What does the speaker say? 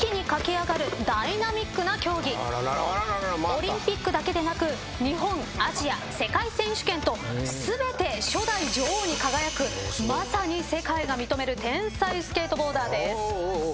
オリンピックだけでなく日本アジア世界選手権と全て初代女王に輝くまさに世界が認める天才スケートボーダーです。